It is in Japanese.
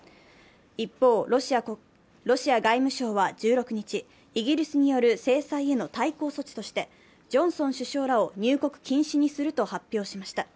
一方、ロシア外務省は１６日、イギリスによる制裁への対抗措置としてジョンソン首相らを入国禁止にすると発表しました。